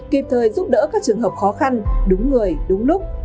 kịp thời giúp đỡ các trường hợp khó khăn đúng người đúng lúc